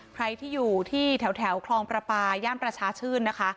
ใครที่อยู่ที่แถวคลองประปาย่านประชาชื่นนะคะ